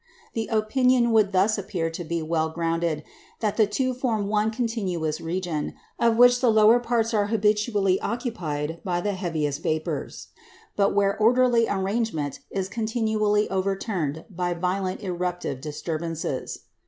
The opinion would thus appear to be well grounded that the two form one continuous region, of which the lower parts are habitually occupied by the heaviest vapours, but where orderly arrangement is continually overturned by violent eruptive disturbances.